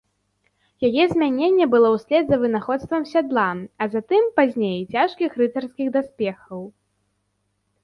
Яе змяненне было услед за вынаходствам сядла, а затым, пазней, цяжкіх рыцарскіх даспехаў.